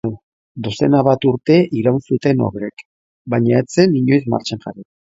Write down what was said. Dozena bat urte iraun zuten obrek, baina ez zen inoiz martxan jarri.